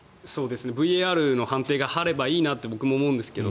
ＶＡＲの判定があればいいなと思うんですけど